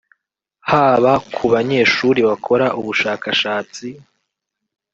haba ku banyeshuri bakora ubushakashatsi